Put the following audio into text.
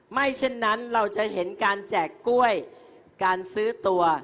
เช่นนั้นเราจะเห็นการแจกกล้วยการซื้อตัว